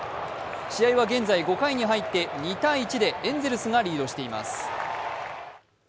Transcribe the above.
試合は現在５回に入って２−１でエンゼルスがリードしています。